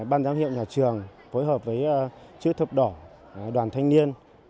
ban giám hiệu nhà trường phối hợp với chữ thập đỏ đoàn thanh niên